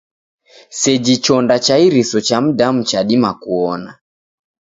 Seji chonda cha iriso ja mdamu chadima kuona.